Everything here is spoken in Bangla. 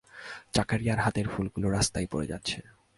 জাকারিয়ার হাতের ফুলগুলি রাস্তায় পড়ে যাচ্ছে।